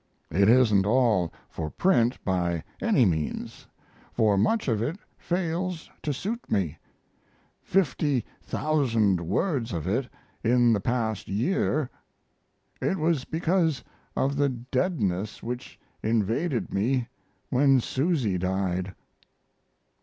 It isn't all for print, by any means, for much of it fails to suit me; 50,000 words of it in the past year. It was because of the deadness which invaded me when Susy died.